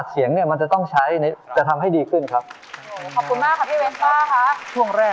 ช่วยฝังดินหรือกว่า